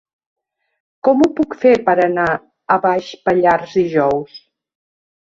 Com ho puc fer per anar a Baix Pallars dijous?